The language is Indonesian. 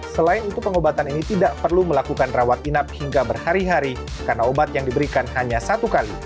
selain itu pengobatan ini tidak perlu melakukan rawat inap hingga berhari hari karena obat yang diberikan hanya satu kali